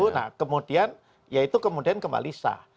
nah kemudian ya itu kemudian kembali sah